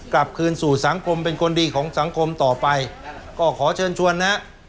กลับคืนสู่สังคมเป็นคนดีของสังคมต่อไปก็ขอเชิญชวนนะฮะ